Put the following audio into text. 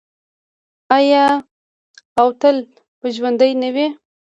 آیا او تل به ژوندی نه وي؟